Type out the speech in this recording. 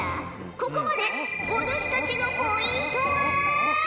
ここまでお主たちのポイントは。